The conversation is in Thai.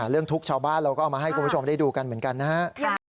ทุกชาวบ้านเราก็เอามาให้คุณผู้ชมได้ดูกันเหมือนกันนะครับ